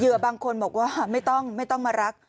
อยู่อาบบางคนบอกว่าไม่ต้องมารัก